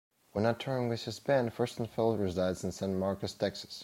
When not touring with his band, Furstenfeld resides in San Marcos, Texas.